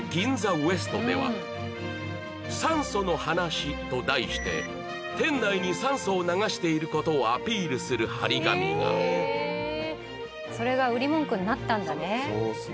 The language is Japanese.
ウエストでは「酸素の話」と題して店内に酸素を流していることをアピールする貼り紙がそうですね